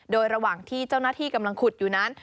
โดยระหว่างที่เจ้าหน้าที่กำลังขุดอยู่นั้น